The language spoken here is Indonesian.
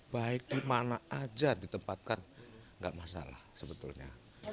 baik dimana aja ditempatkan enggak masalah sebetulnya